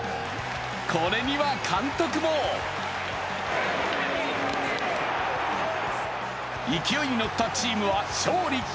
これには監督も勢いに乗ったチームは勝利。